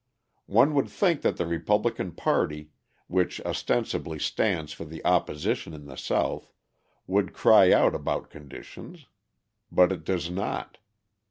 One would think that the Republican party, which ostensibly stands for the opposition in the South, would cry out about conditions. But it does not.